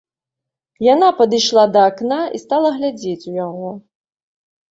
Яна падышла да акна і стала глядзець у яго.